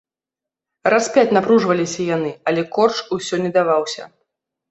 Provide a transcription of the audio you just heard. Раз пяць напружваліся яны, але корч усё не даваўся.